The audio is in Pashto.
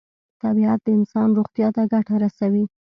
طبیعت د انسان روغتیا ته ګټه رسوي.